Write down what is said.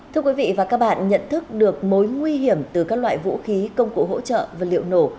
thưa quý vị và các bạn nhận thức được mối nguy hiểm từ các loại vũ khí công cụ hỗ trợ và liệu nổ